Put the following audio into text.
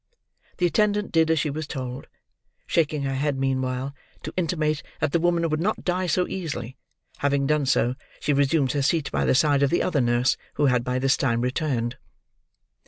The attendant did as she was told: shaking her head meanwhile, to intimate that the woman would not die so easily; having done so, she resumed her seat by the side of the other nurse, who had by this time returned.